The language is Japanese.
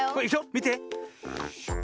みて。